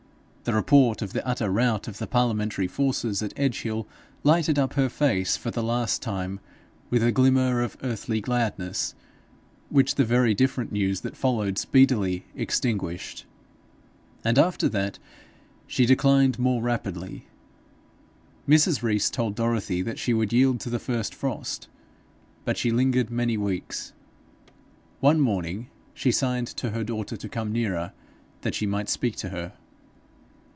The report of the utter rout of the parliamentary forces at Edgehill, lighted up her face for the last time with a glimmer of earthly gladness, which the very different news that followed speedily extinguished; and after that she declined more rapidly. Mrs. Rees told Dorothy that she would yield to the first frost. But she lingered many weeks. One morning she signed to her daughter to come nearer that she might speak to her.